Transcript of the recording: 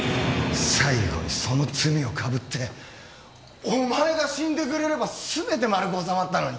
最後にその罪をかぶってお前が死んでくれれば全て丸く収まったのに。